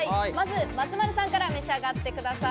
松丸さんから召し上がってください。